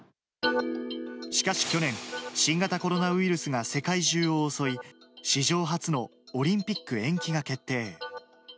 しかし去年、新型コロナウイルスが世界中を襲い、史上初のオリンピック延期が決定。